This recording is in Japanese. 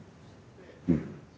うん。